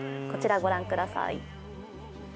こちらご覧ください。